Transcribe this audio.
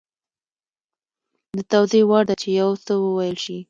د توضیح وړ ده چې یو څه وویل شي